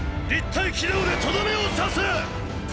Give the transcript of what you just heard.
立体機動でとどめを刺せ！！